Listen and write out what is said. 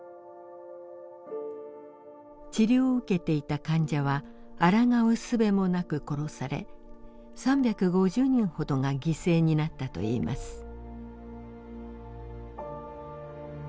治療を受けていた患者はあらがうすべもなく殺され３５０人ほどが犠牲になったといいます。